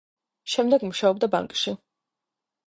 შემდეგ მუშაობდა ბანკში.